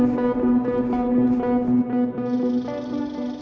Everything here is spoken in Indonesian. ada beberapa orang yang berpengalaman